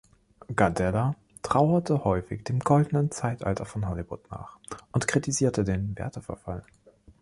Gardella trauerte häufig dem „goldenen Zeitalter von Hollywood“ nach und kritisierte den Werteverfall.